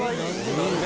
何で？